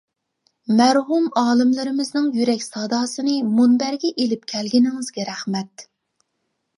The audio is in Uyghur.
مەرھۇم ئالىملىرىمىزنىڭ يۈرەك ساداسىنى مۇنبەرگە ئېلىپ كەلگىنىڭىزگە رەھمەت.